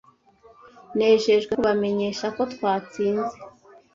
Nejejwe no kubamenyesha ko twatsinze.